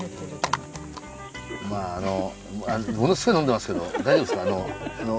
まあものすごい飲んでますけど大丈夫ですか？